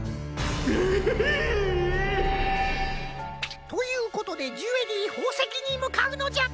ひいっ！ということでジュエリーほうせきにむかうのじゃ！